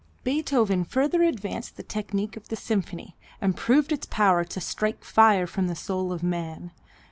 Beethoven further advanced the technique of the symphony, and proved its power to "strike fire from the soul of man."